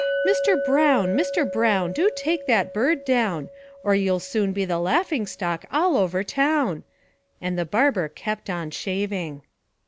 Mister Brown! Mr. Brown! Do take that bird down, Or you'll soon be the laughingstock all over town!' And the barber kept on shaving.